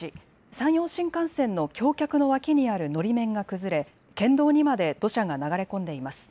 山陽新幹線の橋脚の脇にあるのり面が崩れ県道にまで土砂が流れ込んでいます。